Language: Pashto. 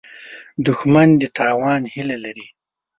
دښمن د تاوان هیله لري